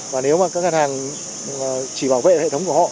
và nếu mà các ngân hàng chỉ bảo vệ hệ thống của họ